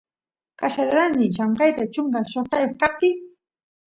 qallarerani llamkayta chunka shoqtayoq kaptiy